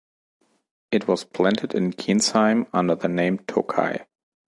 It was planted in Kientzheim under the name "Tokay".